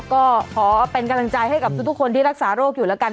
ก็ขอเป็นกำลังใจให้กับทุกคนที่รักษาโรคอยู่แล้วกัน